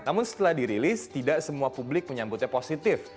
namun setelah dirilis tidak semua publik menyambutnya positif